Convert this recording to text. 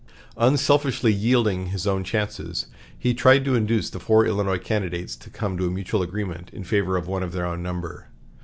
Unselfishly yielding his own chances, he tried to induce the four Illinois candidates to come to a mutual agreement in favor of one of their own number.